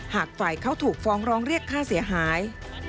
หากฝ่ายเขาถูกฟ้องร้องเรียกค่าเสียหาย